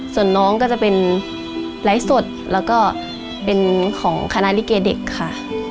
ส่วนน้องก็จะเป็นไลฟ์สดแล้วก็เป็นของคณะลิเกเด็กค่ะ